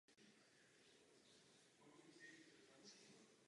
Z Moravské zemské knihovny si to ještě prochází Karel Papinus a pak vám napíše.